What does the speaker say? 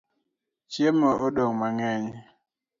Chiemo odong mangeny